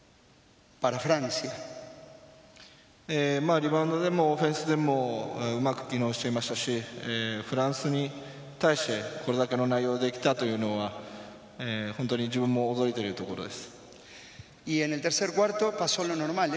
リバウンドでもオフェンスでも、うまく機能していましたし、フランスに対して、これだけの内容で来たというのは、本当に自分も驚いているところです。